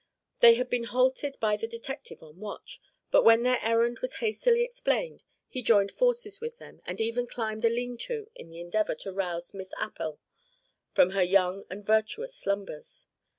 They had been halted by the detective on watch, but when their errand was hastily explained, he joined forces with them and even climbed a lean to in the endeavour to rouse Miss Appel from her young and virtuous slumbers.